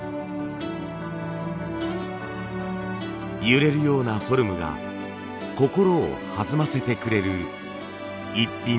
揺れるようなフォルムが心を弾ませてくれるイッピンです。